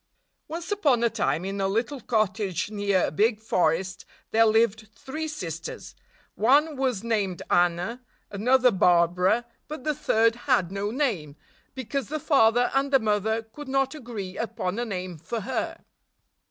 Once upon a time, in a little cottage near a big forest, there lived three sisters. One was named Anna, another Barbara, but the third had no name, because the father and the mother could not agree upon a name for her.